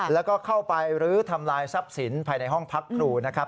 แล้วก็เข้าไปรื้อทำลายทรัพย์สินภายในห้องพักครูนะครับ